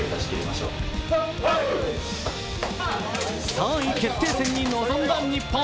３位決定戦に臨んだ日本。